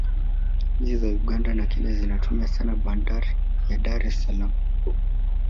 nchi za uganda na kenya zinatumia sana bandar ya dar es salaam